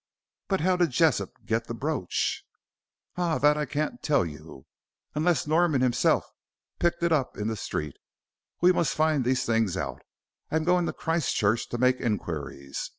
"But how did Jessop get the brooch?" "Ah, that I can't tell you, unless Norman himself picked it up in the street. We must find these things out. I'm going to Christchurch to make inquiries.